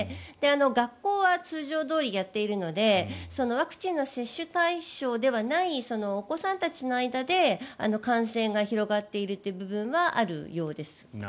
学校は通常どおりやっているのでワクチンの接種対象ではないお子さんたちの間で感染が広がっているという部分はあるようです。